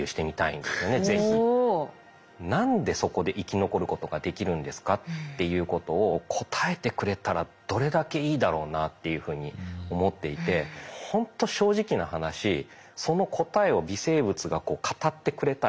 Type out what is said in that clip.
「何でそこで生き残ることができるんですか？」っていうことを答えてくれたらどれだけいいだろうなっていうふうに思っていてほんと正直な話え